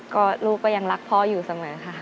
ก็ลูกก็ยังรักพ่ออยู่เสมอค่ะ